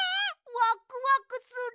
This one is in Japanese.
ワクワクする。